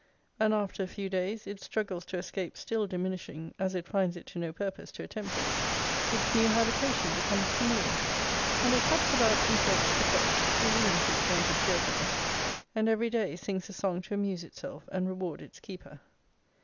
And after a few days, its struggles to escape still diminishing as it finds it to no purpose to attempt it, its new habitation becomes familiar; and it hops about from perch to perch, resumes its wonted cheerfulness, and every day sings a song to amuse itself and reward its keeper.